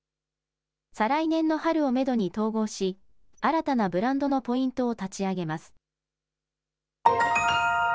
再来年の春をメドに統合し、新たなブランドのポイントを立ち上げ